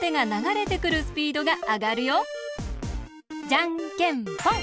じゃんけんぽん！